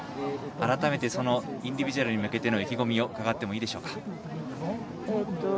改めてインディビジュアルに向けての意気込みを伺ってもよろしいでしょうか。